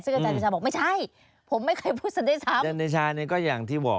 ซึ่งอาจารย์เดชาบอกว่าไม่ใช่ผมไม่เคยพูดว่าซันเดชา